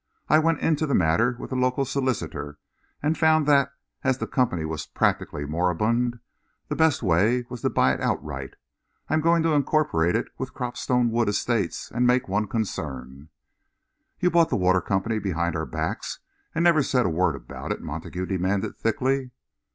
I went into the matter with a local solicitor and found that, as the Company was practically moribund, the best way was to buy it outright. I am going to incorporate it with the Cropstone Wood Estates and make one concern." "You bought the Water Company behind our backs and never said a word about it?" Montague demanded thickly.